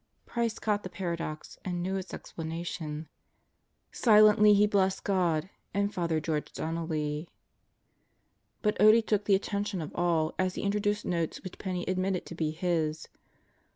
Price caught the paradox and knew its explanation. Silently he blessed God and Father George Donnelly. But Otte took the attention of all as he introduced notes which Penney admitted to be his.